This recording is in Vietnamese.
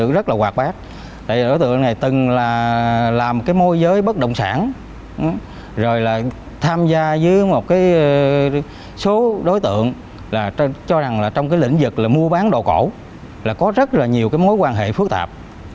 các chủ rất là hoạt bát đối tượng này từng làm một môi giới bất động sản tham gia với một số đối tượng cho rằng trong lĩnh vực mua bán đồ cổ là có được rất nhiều mối quan hệ phức tạp